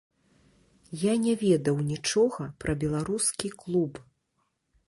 Я не ведаў нічога пра беларускі клуб.